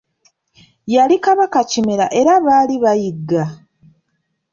Yali Kabaka Kimera era baali bayigga.